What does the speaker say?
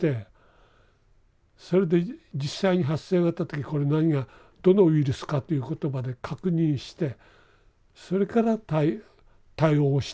それで実際に発生があった時これ何がどのウイルスかということまで確認してそれから対応してくという。